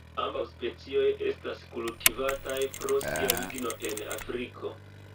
Ambaŭ specioj estas kultivataj pro sia ligno en Afriko.